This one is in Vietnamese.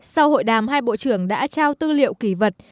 sau hội đàm hai bộ trưởng đã trao tư liệu kỳ vật